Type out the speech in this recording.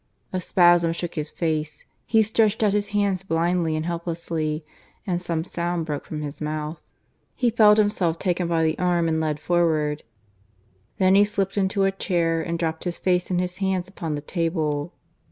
A spasm shook his face; he stretched out his hands blindly and helplessly, and some sound broke from his mouth. He felt himself taken by the arm and led forward. Then he slipped into a chair, and dropped his face in his hands upon the table.